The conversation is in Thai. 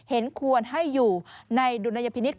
เห็นควรให้อยู่ในดุลยพินิษฐ